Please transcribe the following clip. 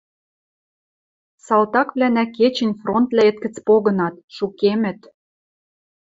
Салтаквлӓнӓ кечӹнь фронтвлӓэт гӹц погынат, шукемӹт.